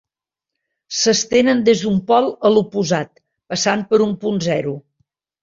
S'estenen des d'un pol a l'oposat passant per un punt zero.